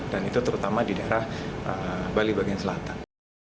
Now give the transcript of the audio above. dan itu terutama di daerah bali bagian selatan